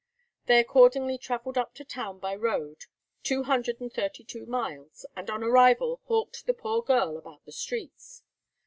They accordingly travelled up to town by road, two hundred and thirty two miles, and on arrival hawked the poor girl about the streets.